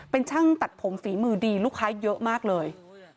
เป็นช่างตัดผมฝีมือดีลูกค้าเยอะมากเลย